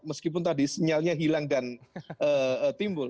meskipun tadi sinyalnya hilang dan timbul